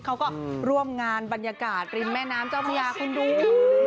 เขาก็ร่วมงานบรรยากาศริมแม่น้ำเจ้าพระยาคุณดู